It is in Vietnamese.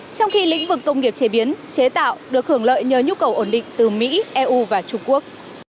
trong khi lĩnh vực công nghiệp chế biến chế tạo được hưởng lợi nhờ nhu cầu ổn định từ mỹ eu và trung quốc